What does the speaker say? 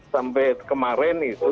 sampai kemarin itu